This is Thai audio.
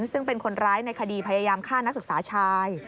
ซึ่งเป็นคนร้ายในคดีพยายามฆ่านักศึกษาชาย